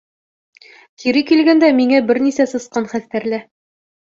Кире килгәндә миңә бер нисә сысҡан хәстәрлә.